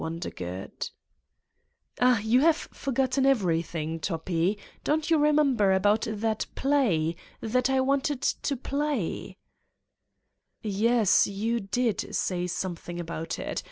"Ah, you have forgotten everything, Toppi! Don't you remember about that play? That I wanted to play?" 158 Satan's Diary "Yes, you did say something about it.